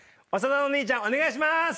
長田のお兄ちゃんお願いします！